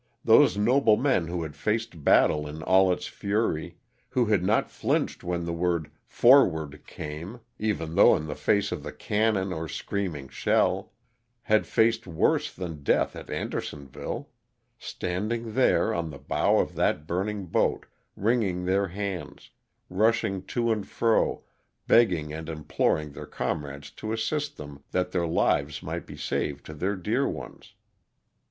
Those noble men who had faced battle in all its fury ; who had not flinched when the word ''for ward" came, even though in the face of the cannon or screaming shell; had faced worse than death at Ander sonville ; standing there on the bow of that burning boat wringing their hands, rushing to and fro begging and imploring their comrades to assist them that their lives might be saved to their dear ones!